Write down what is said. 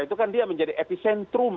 itu kan dia menjadi epicentrum